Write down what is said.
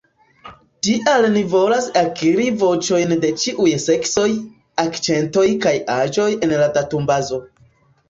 Tial ni volas akiri voĉojn de ĉiuj seksoj, akĉentoj kaj aĝoj en la datumbazo.